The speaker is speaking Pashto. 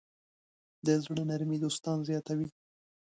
د زړۀ نرمي دوستان زیاتوي.